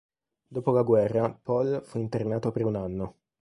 Dopo la guerra, Pohl fu internato per un anno.